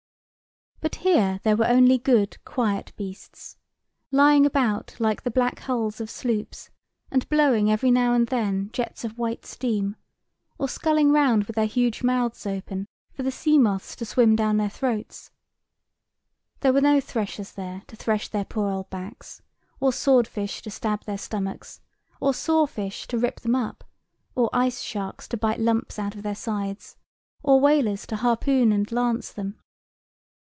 [Picture: Mother Carey] But here there were only good quiet beasts, lying about like the black hulls of sloops, and blowing every now and then jets of white steam, or sculling round with their huge mouths open, for the sea moths to swim down their throats. There were no threshers there to thresh their poor old backs, or sword fish to stab their stomachs, or saw fish to rip them up, or ice sharks to bite lumps out of their sides, or whalers to harpoon and lance them.